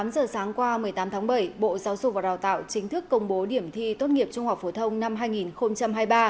tám giờ sáng qua một mươi tám tháng bảy bộ giáo dục và đào tạo chính thức công bố điểm thi tốt nghiệp trung học phổ thông năm hai nghìn hai mươi ba